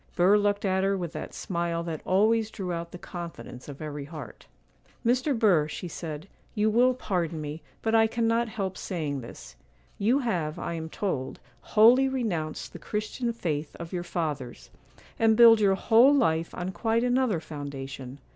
Burr looked at her with that smile that always drew out the confidence of every heart. 'Mr. Burr,' she said, 'you will pardon me, but I cannot help saying this: You have, I am told, wholly renounced the Christian faith of your fathers, and build your whole life on quite another foundation.